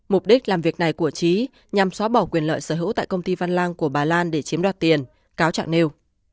mục đích làm việc này của trí nhằm xóa bỏ quyền lợi sở hữu tại công ty văn lang của bà lan để chiếm đoạt tiền cáo trạng nêu